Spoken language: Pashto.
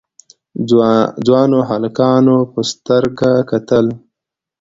ځوانو هلکانو په سترګه کتل.